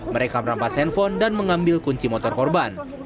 mereka merampas handphone dan mengambil kunci motor korban